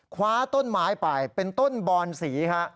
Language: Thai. คว้าต้นไม้ไปเป็นต้นบอนสีฮะ